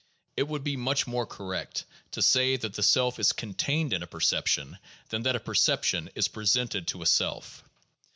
It would be much more correct to say that the self is contained in a perception than that a perception is presented to a self.